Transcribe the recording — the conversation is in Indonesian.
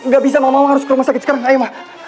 gak bisa mama harus ke rumah sakit sekarang ayo ma